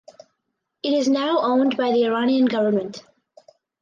It is now owned by the Iranian government.